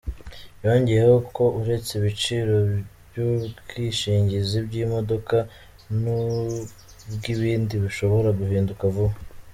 Yongeyeho ko uretse ibiciro by’ubwishingizi bw’imodoka n’ubw’ibindi bushobora guhinduka vuba.